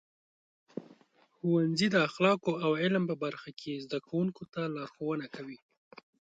ښوونځي د اخلاقو او علم په برخه کې زده کوونکو ته لارښونه ورکوي.